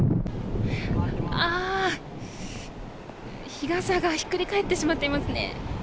あー、日傘がひっくり返ってしまってますね。